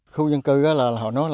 khu dân cư đó là họ nói là